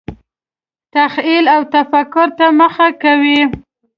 تخیل او تفکر ته مخه کوي.